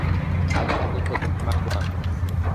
আর থাকলে, সেটাকে মারবো আমি।